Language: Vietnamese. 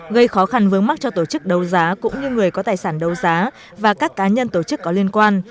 gây khó khăn vướng mắt cho tổ chức đấu giá cũng như người có tài sản đấu giá và các cá nhân tổ chức có liên quan